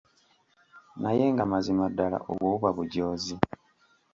Naye nga mazima ddala obwo buba bujoozi.